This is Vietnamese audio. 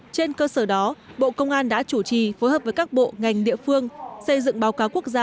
trên cơ sở đó bộ công an đã chủ trì phối hợp với các bộ ngành địa phương xây dựng báo cáo quốc gia